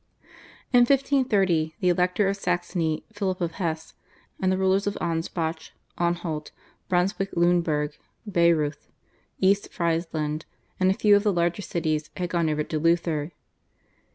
In 1530, the Elector of Saxony, Philip of Hesse and the rulers of Ansbach, Anhalt, Brunswick Luneburg, Bayreuth, East Friesland, and a few of the larger cities had gone over to Luther.